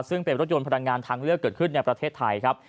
ซึ่งเป็นรถยนต์พลังงานทางเลือกเกิดขึ้นในประเทศไทยครับ